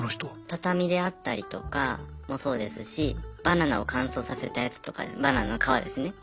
畳であったりとかもそうですしバナナを乾燥させたやつとかでバナナの皮ですね。